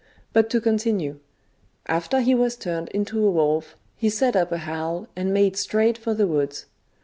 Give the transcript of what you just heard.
" But to continue : after he was turned into a wolf, he set up a howl and made straight for the woods.